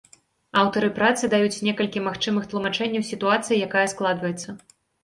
Аўтары працы даюць некалькі магчымых тлумачэнняў сітуацыі, якая складваецца.